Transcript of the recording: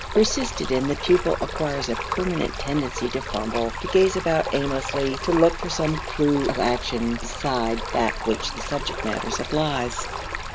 Persisted in, the pupil acquires a permanent tendency to fumble, to gaze about aimlessly, to look for some clew of action beside that which the subject matter supplies.